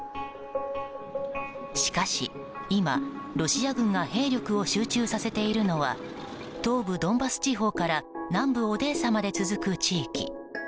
しかし今、ロシア軍が兵力を集中させているのは東部ドンバス地方から南部オデーサまで続く地域。